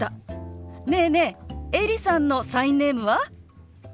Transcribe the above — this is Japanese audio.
ねえねえエリさんのサインネームは？